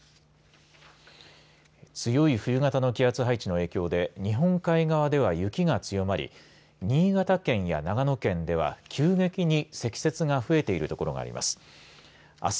強い冬型の気圧配置の影響で日本海側では雪が強まり新潟県や長野県では急激に積雪が増えている所があります。